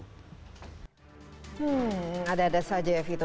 hmm ada ada saja ya vito